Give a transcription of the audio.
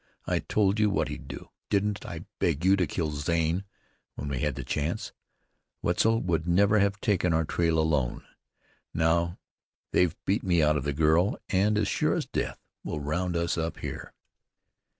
I told you what he'd do. Didn't I beg you to kill Zane when we had a chance? Wetzel would never have taken our trail alone. Now they've beat me out of the girl, and as sure as death will round us up here."